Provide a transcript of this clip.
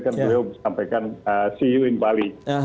kan beliau sampaikan ce you in bali